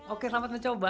oke selamat mencoba